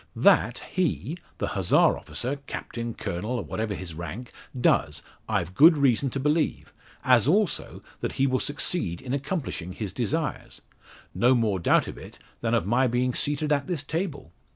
That he, the Hussar officer, captain, colonel, or whatever his rank, does, I've good reason to believe, as also that he will succeed in accomplishing his desires; no more doubt of it than of my being seated at this table.